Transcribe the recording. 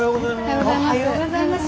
おはようございます。